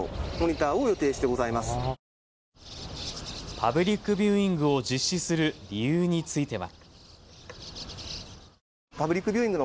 パブリックビューイングを実施する理由については。